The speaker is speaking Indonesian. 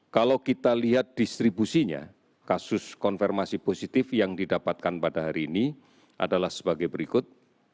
kalau kita lihat distribusinya kasus konfirmasi positif yang didapatkan pada hari ini adalah sebagai berikut